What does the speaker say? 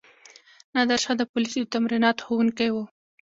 نادرشاه د پولیسو د تمریناتو ښوونکی وو.